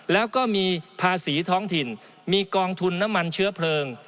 แล้วก็มีภาษีท้องถิ่นมีกองทุนน้ำมันเชื้อเพลิง